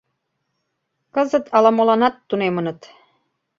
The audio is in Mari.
Кызыт ала-моланат тунемыныт.